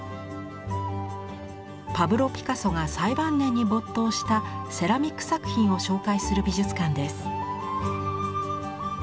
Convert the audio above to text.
パブロ・ピカソが最晩年に没頭したセラミック作品を紹介する美術館です。